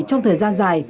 trong thời gian dài